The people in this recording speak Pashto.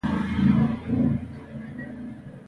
دغه بدلون د حیواناتو د تغذيې سلسله بدل کړه.